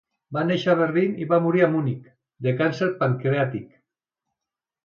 Va néixer a Berlín i va morir a Munic de càncer pancreàtic.